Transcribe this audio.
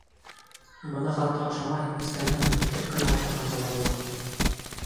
Быны хатта ашамай, эскәндән һуң еҫкәп кенә ултырғанда ла була.